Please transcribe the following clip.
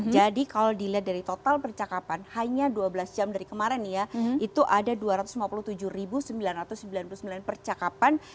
jadi kalau dilihat dari total percakapan hanya dua belas jam dari kemarin ya itu ada dua ratus lima puluh tujuh sembilan ratus sembilan puluh sembilan percakapan